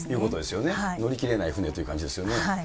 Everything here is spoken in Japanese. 乗り切れない船という感じですよね。